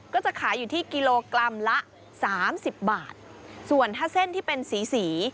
ก็จะขายอยู่ที่กิโลกรัมละสามสิบบาทส่วนถ้าเส้นที่เป็นสีสี